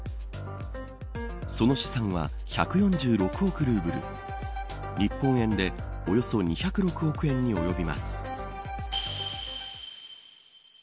その資産は１４６億ルーブル日本円でおよそ２０６億円に及びます。